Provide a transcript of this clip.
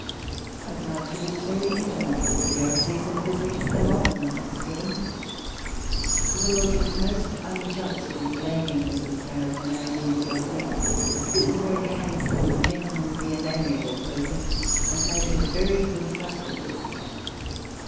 I was afterwards very intimate with the Piozzis, and visited them often at Streatham. The world was most unjust in blaming Mrs. Thrale for marrying Piozzi : he was a very handsome, gentlemanly, and amiable person, and made her a very good husband.